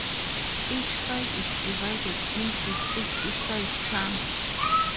Each file is divided into fixed-size chunks.